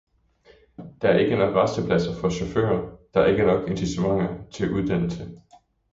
Der er ikke nok rastepladser for chauffører, der er ikke nok incitamenter til uddannelse.